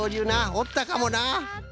おったかもな。